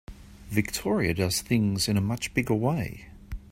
Victoria does things in a much bigger way.